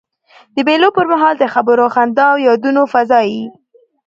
د مېلو پر مهال د خبرو، خندا او یادونو فضا يي.